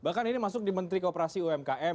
bahkan ini masuk di menteri kooperasi umkm